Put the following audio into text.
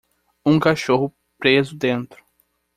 um cachorro preso dentro